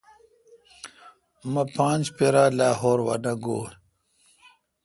مہ پانچ پرا°لاہور وہ نہ گوئ۔